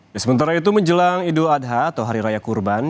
nah sementara itu menjelang idul adha atau hari raya kurban